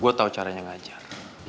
gue tau caranya ngajar